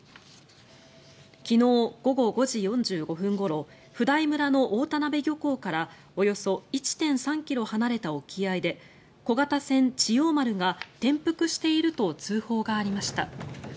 昨日午後５時４５分ごろ普代村の太田名部漁港からおよそ１．３ｋｍ離れた沖合で小型船「地洋丸」が転覆していると通報がありました。